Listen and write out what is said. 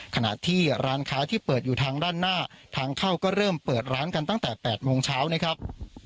ขณะที่ร้านค้าที่เปิดอยู่ทางด้านหน้าทางเข้าก็เริ่มเปิดร้านกันตั้งแต่๘โมงเช้านะครับ